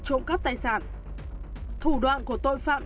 trộm cắp tài sản hoặc lợi dụng vào lúc chủ nhà đi vắng để đột nhập